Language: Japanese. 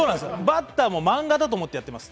バッターもマンガだと思ってやってます。